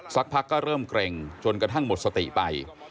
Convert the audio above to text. สักพักก็เริ่มเกร็งจนกระทั่งหมดสติไป